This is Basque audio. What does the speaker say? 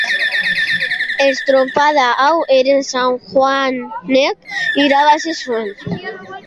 Estropada hau ere San Juanek irabazi zuen.